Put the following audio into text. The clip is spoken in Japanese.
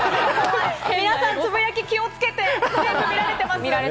皆さん、つぶやき気をつけて、見られてる。